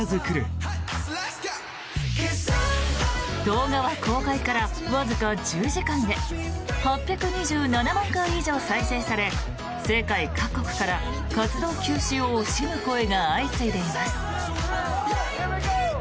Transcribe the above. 動画は公開からわずか１０時間で８２７万回以上再生され世界各国から活動休止を惜しむ声が相次いでいます。